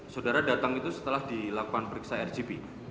saudara datang itu setelah dilakukan periksa rgp